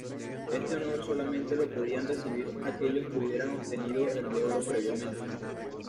Este honor solamente lo podían recibir aquellos que hubieran obtenido el de Oro previamente.